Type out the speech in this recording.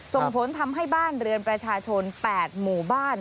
ส่งผลทำให้บ้านเรือนประชาชน๘หมู่บ้าน